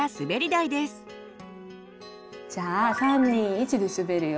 じゃあ３２１ですべるよ。